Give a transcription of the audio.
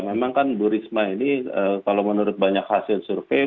memang kan bu risma ini kalau menurut banyak hasil survei